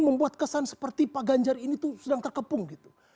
perasaan seperti pak ganjar ini tuh sedang terkepung gitu